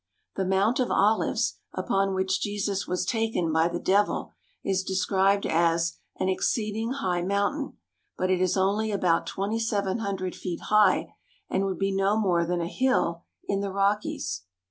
The Mount of Olives, upon which Jesus was taken by the Devil, is described as "an exceeding high mountain," but it is only about twenty seven hundred feet high and would be no more than a hill in the Rockies.